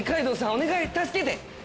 お願い助けて。